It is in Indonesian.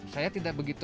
saya tidak begitu